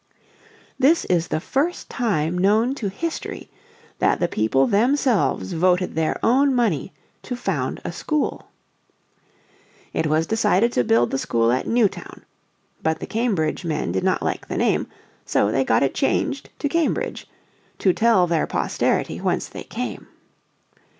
This is the first time known to history that the people themselves voted their own money to found a school. It was decided to build the school at "Newtown." But the Cambridge men did not like the name, so they got it changed to Cambridge, "to tell their posterity whence they came."